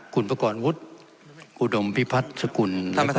คุณพกรวุฒิอุดมพิพัฒน์สกุลท่านประธานครับ